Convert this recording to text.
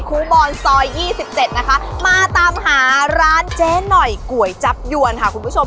ครูบอนซอย๒๗นะคะมาตามหาร้านเจ๊หน่อยก๋วยจับยวนค่ะคุณผู้ชม